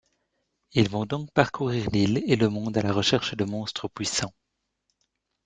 Ils vont donc parcourir l'île et le monde à la recherche de monstres puissants.